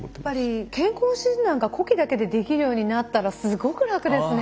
健康診断が呼気だけでできるようになったらすごく楽ですね。